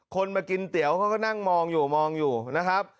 มากินเตี๋ยวเขาก็นั่งมองอยู่มองอยู่นะครับ